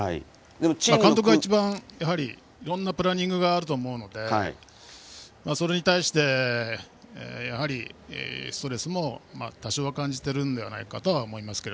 監督が一番、いろいろなプランニングがあると思うのでそれに対して、やはりストレスも多少は感じていると思いますが。